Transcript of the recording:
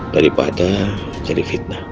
dari pada cari fitnah